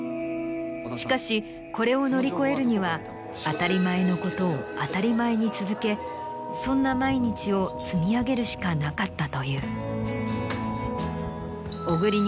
しかしこれを乗り越えるには当たり前のことを当たり前に続けそんな毎日を積み上げるしかなかったという。